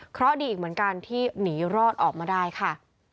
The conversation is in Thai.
เพราะดีอีกเหมือนกันที่หนีรอดออกมาได้ค่ะ